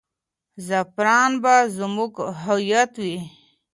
زعفران به زموږ هویت وي.